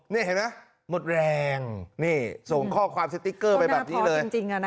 นี่เห็นไหมหมดแรงนี่ส่งข้อความสติ๊กเกอร์ไปแบบนี้เลย